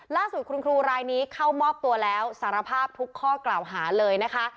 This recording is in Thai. ล่าสุดคุณครูรายนี้เข้ามอบตัวแล้วสารภาพทุกข้อกล่าวหาเลยนะคะ